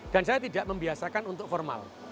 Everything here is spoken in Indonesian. dan saya tidak membiasakan untuk formal